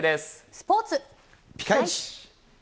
スポーツ、ピカイチ。